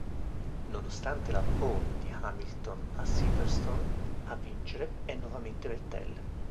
Nonostante la "pole" di Hamilton a Silverstone, a vincere è nuovamente Vettel.